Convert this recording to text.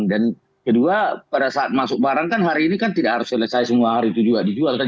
dan kedua pada saat masuk barang kan hari ini kan tidak harus selesai semua hari itu juga dijual kan